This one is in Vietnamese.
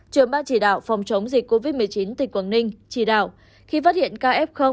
trưởng ban chỉ đạo phòng chống dịch covid một mươi chín tỉnh quảng ninh chỉ đạo khi phát hiện caf